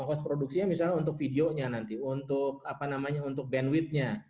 ongkos produksinya misalnya untuk videonya nanti untuk bandwidth nya